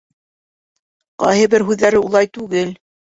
—Ҡайһы бер һүҙҙәре улай түгел.